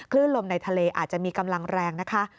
ลมในทะเลอาจจะมีกำลังแรงนะคะ